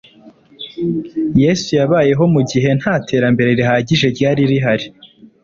yesu yabayeho mu gihe nta terambere rihagije ryari rihari